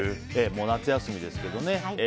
もう夏休みですけどね。